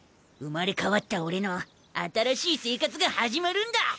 生まれ変わった俺の新しい生活が始まるんだ。